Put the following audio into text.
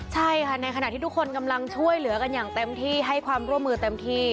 ใช่ค่ะในขณะที่ทุกคนกำลังช่วยเหลือกันอย่างเต็มที่ให้ความร่วมมือเต็มที่